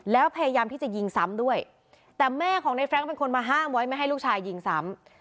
แล้วพยายามที่จะยิงซ้ำด้วยแต่แม่ของในแร้งเป็นคนมาห้ามไว้ไม่ให้ลูกชายยิงซ้ำ